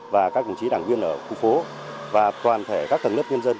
và các đồng chí đảng viên ở khu phố và toàn thể các tầng lớp nhân dân